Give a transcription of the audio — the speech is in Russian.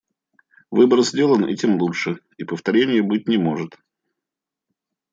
Выбор сделан, и тем лучше... И повторенья быть не может.